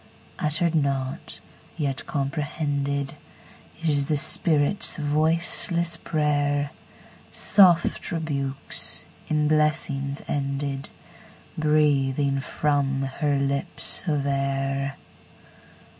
Uttered not, yet comprehended, Is the spirit's voiceless prayer, Soft rebukes, in blessings ended, Breathing from her lips of air.